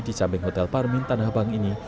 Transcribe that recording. di samping hotel parmin tanah abang ini